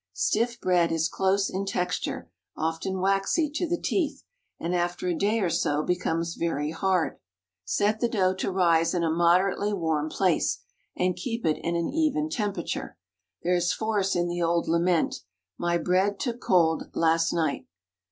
Stiff bread is close in texture, often waxy to the teeth, and after a day or so becomes very hard. Set the dough to rise in a moderately warm place, and keep it in an even temperature. There is force in the old lament—"My bread took cold, last night."